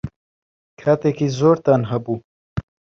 کاتێکی زۆرتان هەبوو.